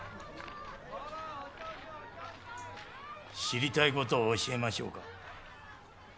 知りたい事を教えましょうか？